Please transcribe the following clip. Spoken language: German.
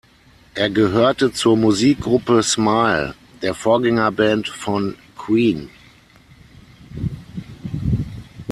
Er gehörte zur Musikgruppe Smile, der Vorgängerband von Queen.